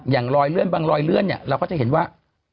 อย่างบางรอยเลื่อนเราก็จะเห็นว่า